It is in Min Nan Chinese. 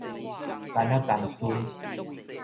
乾仔乾孫